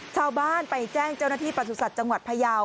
ชาวบ้านไปแจ้งเจ้าหน้าที่ประสุทธิ์จังหวัดพยาว